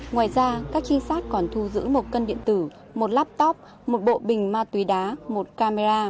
ngoài ra các trinh sát còn thu giữ một cân điện tử một laptop một bộ bình ma túy đá một camera